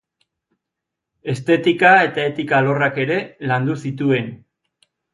Estetika eta etika alorrak ere landu zituen.